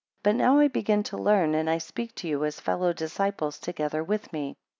But now I begin to learn, and I speak to you as fellow disciples together with me.